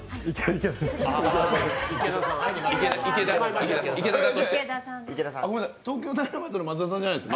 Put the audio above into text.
池田さんです。